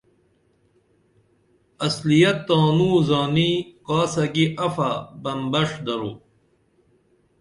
اصلیت تانو زانی کاسہ کی عفہ بن بݜ درو